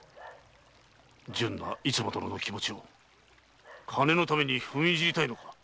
純な逸馬殿の気持ちを金のために踏みにじりたいのか？